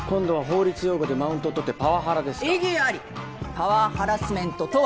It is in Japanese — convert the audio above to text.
パワーハラスメントとは。